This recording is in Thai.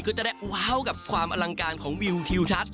ก็จะได้ว้าวกับความอลังการของวิวทิวทัศน์